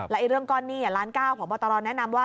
และเรื่องก้อนนี้ล้านก้าวของบอตรอนแนะนำว่า